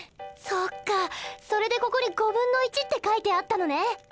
そっかそれでここにって書いてあったのね。